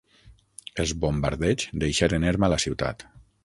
Els bombardeigs deixaren erma la ciutat.